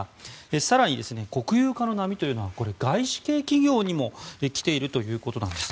更に国有化の波というのは外資系企業にも来ているということです。